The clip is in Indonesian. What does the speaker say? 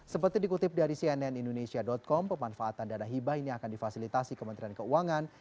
seperti dikutip dari cnn indonesia com pemanfaatan dana hibah ini akan difasilitasi kementerian keuangan